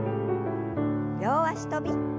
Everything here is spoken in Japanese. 両脚跳び。